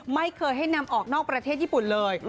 ไม่เคยให้นำออกนอกประเทศญี่ปุ่นเลย